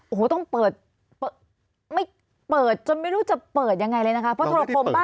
โอ้โหต้องเปิดไม่เปิดจนไม่รู้จะเปิดยังไงเลยนะครับ